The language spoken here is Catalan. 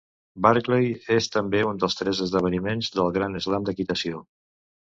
Burghley és també un dels tres esdeveniments del Grand Slam d'equitació.